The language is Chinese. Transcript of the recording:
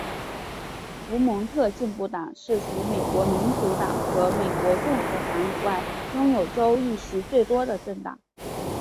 佛蒙特进步党是除美国民主党和美国共和党以外拥有州议席最多的政党。